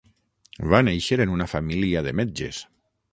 Va néixer en una família de metges.